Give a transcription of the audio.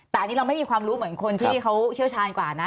แต่อันนี้เราไม่มีความรู้เหมือนคนที่เขาเชี่ยวชาญกว่านะ